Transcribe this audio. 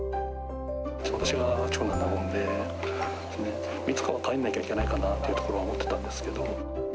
私が長男なもんで、それで、いつかは帰らなきゃいけないかなって思ってたんですけど。